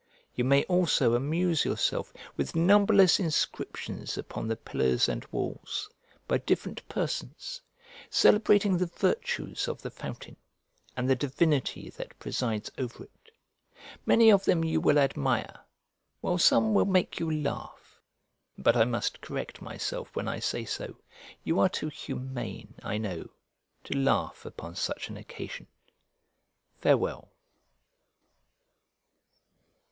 You may also amuse yourself with numberless inscriptions upon the pillars and walls, by different persons, celebrating the virtues of the fountain, and the divinity that presides over it. Many of them you will admire, while some will make you laugh; but I must correct myself when I say so; you are too humane, I know, to laugh upon such an occasion. Farewell.